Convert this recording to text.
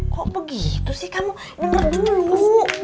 kok begitu sih kamu denger dulu